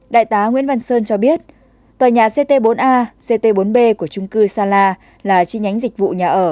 đại tá nguyễn văn sơn cho biết tòa nhà ct bốn a ct bốn b của trung cư sala là chi nhánh dịch vụ nhà ở